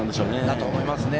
だと思いますね。